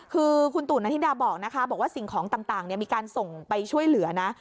คือคุณตู่นนาธิดาบอกนะคะบอกว่าสิ่งของต่างมีการส่งไปช่วยเหลือนะ